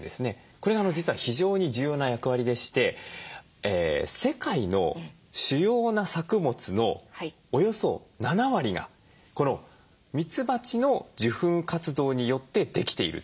これが実は非常に重要な役割でして世界の主要な作物のおよそ７割がこのミツバチの受粉活動によってできているということなんですよ。